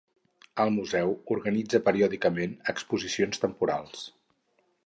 El museu organitza periòdicament exposicions temporals.